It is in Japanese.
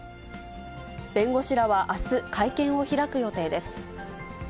弁護士らはあす、会見を開く予定です。